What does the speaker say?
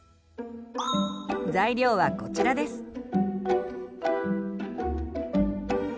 材料はこちらです。